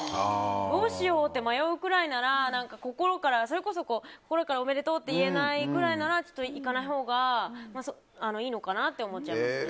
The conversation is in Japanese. どうしよう？って迷うぐらいなら心からおめでとうと言えないくらいなら行かないほうがいいのかなって思っちゃいますね。